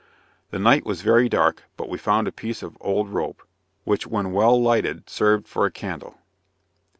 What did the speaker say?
The night was very dark, but we found a piece of old rope, which when well lighted served for a candle.